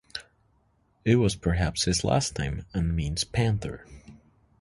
It was perhaps his last name, and means panther.